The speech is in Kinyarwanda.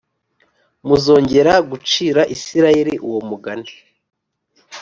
muzongera gucira Isirayeli uwo mugani